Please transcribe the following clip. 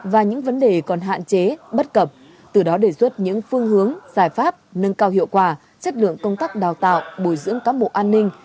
và những vấn đề còn hạn chế bất cập từ đó đề xuất những phương hướng giải pháp nâng cao hiệu quả chất lượng công tác đào tạo bồi dưỡng cán bộ an ninh